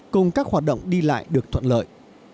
cùng các hoạt động đi lại được thuận lợi